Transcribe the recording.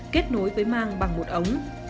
đối với mang bằng một ống